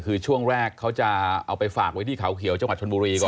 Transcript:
คือช่วงแรกเขาจะเอาไปฝากไว้ที่เขาเขียวจังหวัดชนบุรีก่อน